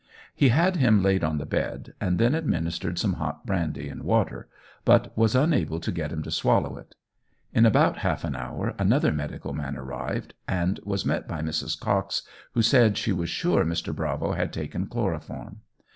He had him laid on the bed, and then administered some hot brandy and water, but was unable to get him to swallow it. In about half an hour another medical man arrived, and was met by Mrs. Cox, who said she was sure Mr. Bravo had taken chloroform.